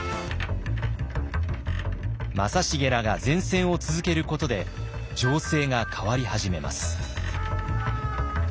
正成らが善戦を続けることで情勢が変わり始めます。